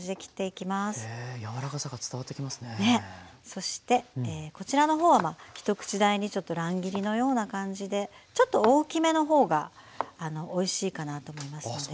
そしてこちらの方は一口大にちょっと乱切りのような感じでちょっと大きめの方がおいしいかなと思いますので。